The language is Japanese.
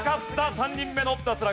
３人目の脱落。